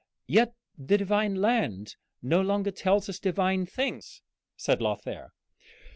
"Yet the divine land no longer tells us divine things," said Lothair.